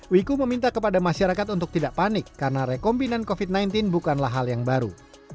wiku meminta kepada masyarakat untuk tidak panik karena rekombinan covid sembilan belas bukanlah hal yang baru